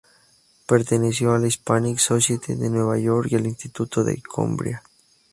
Perteneció a la Hispanic Society de Nueva York y al Instituto de Coimbra.